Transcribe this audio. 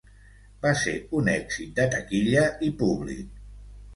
Va ser un èxit de taquilla i públic.